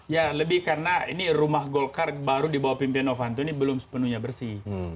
ya lebih karena ini rumah golkar baru di bawah pimpinan novanto ini belum sepenuhnya bersih